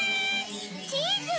チーズ！